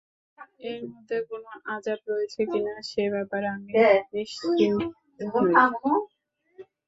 এর মধ্যে কোন আযাব রয়েছে কিনা—সে ব্যাপারে আমি নিশ্চিত নই।